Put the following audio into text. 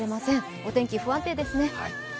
お天気不安定ですね。